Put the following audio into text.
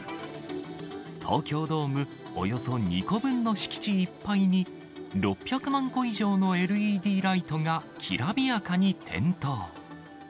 東京ドームおよそ２個分の敷地いっぱいに、６００万個以上のＬＥＤライトがきらびやかに点灯。